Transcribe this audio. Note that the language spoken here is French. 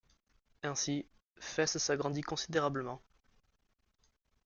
Ainsi Fès s'agrandit considérablement.